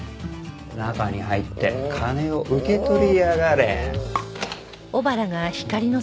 中に入って金を受け取りやがれ。